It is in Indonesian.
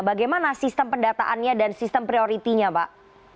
bagaimana sistem pendataannya dan sistem prioritinya pak